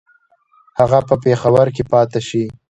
هغه په پېښور کې پاته شي.